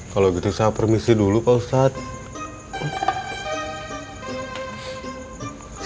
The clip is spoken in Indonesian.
kalau gitu saya permisi dulu pak ustadz